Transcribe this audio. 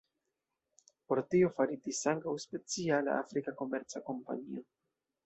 Por tio faritis ankaŭ speciala afrika komerca kompanio.